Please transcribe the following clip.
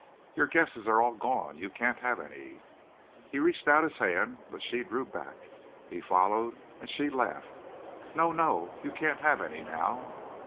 "Your guesses are all gone. You can't have any." He reached out his hand, but she drew back. He followed and she laughed. "No, no, you can't have any now."